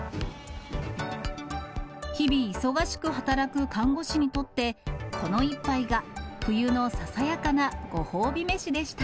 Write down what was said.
日々、忙しく働く看護師にとって、この１杯が、冬のささやかなご褒美めしでした。